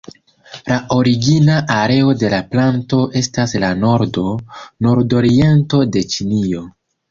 La origina areo de la planto estas la nordo, nordoriento de Ĉinio.